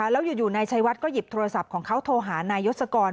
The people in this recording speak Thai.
แล้วอยู่นายชัยวัดก็หยิบโทรศัพท์ของเขาโทรหานายยศกร